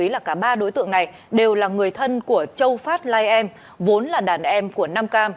là người thân của châu phát lai em vốn là đàn em của nam cam